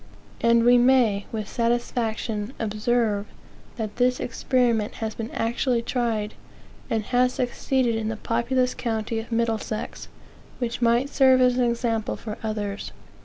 And we may, with satisfaction, observe, that this experiment has been actually tried, and has succeeded in the populous county of Middlesex, which might serve as an example for others.